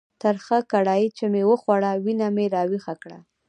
ترخه کړایي چې مې وخوړه، وینه مې را ویښه کړه.